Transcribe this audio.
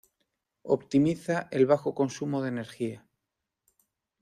Optimiza el bajo consumo de energía.